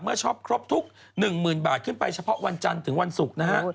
ช็อปครบทุก๑๐๐๐บาทขึ้นไปเฉพาะวันจันทร์ถึงวันศุกร์นะฮะ